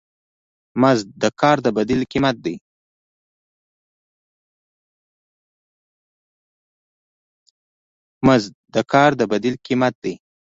مزد د کار د بدیل قیمت دی.